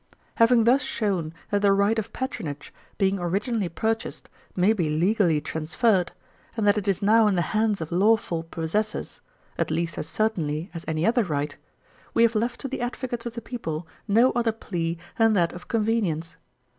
'Having thus shown that the right of patronage, being originally purchased, may be legally transferred, and that it is now in the hands of lawful possessors, at least as certainly as any other right; we have left to the advocates of the people no other plea than that of convenience.